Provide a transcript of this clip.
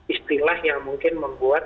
istilah yang mungkin membuat